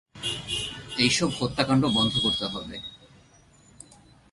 এইসব হত্যাকাণ্ড বন্ধ করতে হবে।